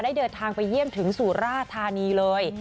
เดินทางไปเยี่ยมถึงสุราธานีเลย